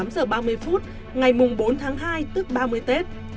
khoảng một mươi tám h ba mươi phút ngày bốn tháng hai tức ba mươi tết